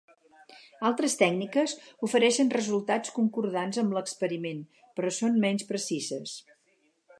Altres tècniques ofereixen resultats concordants amb l'experiment, però són menys precises.